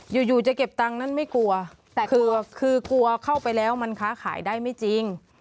อยู่อยู่จะเก็บตังค์นั้นไม่กลัวแต่คือกลัวเข้าไปแล้วมันค้าขายได้ไม่จริง